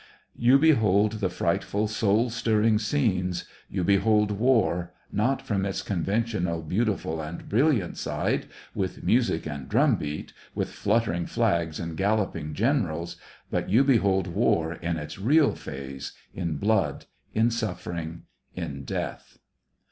— You behold the frightful, soul stirring scenes ; you behold war, not from its conventional, beautiful, and brilliant side, with music and drum beat, with 1 8 SEVASTOPOL IN DECEMBER. fluttering flags and galloping generals, but you behold war in its real phase — in blood, in suffer ing, in death.